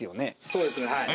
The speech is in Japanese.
そうですねはい。